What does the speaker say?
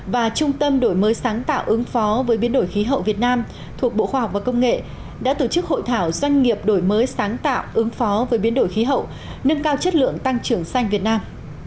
và trung tâm đổi mới sáng tạo ứng phó với biến đổi khí hậu việt nam thuộc bộ khoa học và công nghệ đã tổ chức hội thảo doanh nghiệp đổi mới sáng tạo ứng phó với biến đổi khí hậu nâng cao chất lượng tăng trưởng xanh việt nam